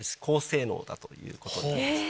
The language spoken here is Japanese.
だということになります